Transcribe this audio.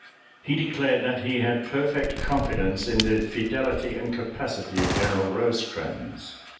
He declared that he had perfect confidence in the fidelity and capacity of General Rosecrans.